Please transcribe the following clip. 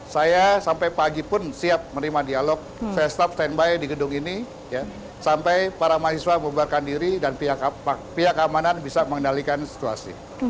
saya sampai pagi pun siap menerima dialog saya staf standby di gedung ini sampai para mahasiswa bubarkan diri dan pihak keamanan bisa mengendalikan situasi